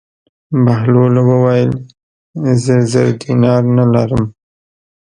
بهلول وویل: زه زر دیناره نه لرم.